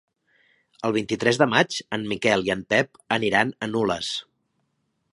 El vint-i-tres de maig en Miquel i en Pep aniran a Nules.